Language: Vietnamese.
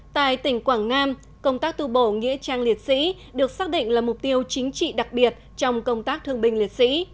tại tỉnh quảng nam công tác tu bổ nghĩa trang liệt sĩ được xác định là mục tiêu chính trị đặc biệt trong công tác thương binh liệt sĩ